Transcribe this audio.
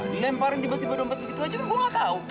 dilemparin tiba tiba dompet begitu aja kan gue gak tau